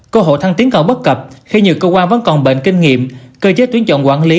cơ hội thăng tiến còn bất cập khi nhiều cơ quan vẫn còn bệnh kinh nghiệm cơ chế tuyến chọn quản lý